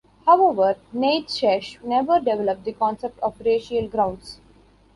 However, Nietzsche never developed the concept on racial grounds.